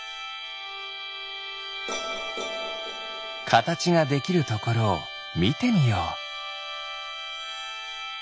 かたちができるところをみてみよう。